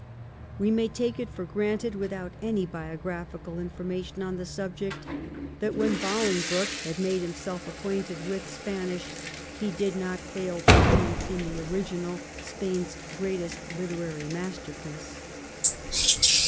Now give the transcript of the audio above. We may take it for granted, without any biographical information on the subject, that when Bolingbroke had made himself acquainted with Spanish he did not fail to read in the original Spain's greatest literary masterpiece.